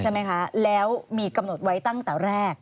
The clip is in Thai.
ใช่ไหมคะแล้วมีกำหนดไว้ตั้งแต่แรก